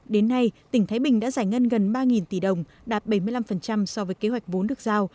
đến nay tỉnh thái bình đã giải ngân gần ba tỷ đồng đạt bảy mươi năm so với kế hoạch vốn được giao